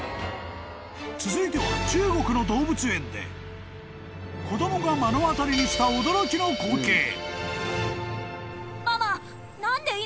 ［続いては中国の動物園で子供が目の当たりにした驚きの光景］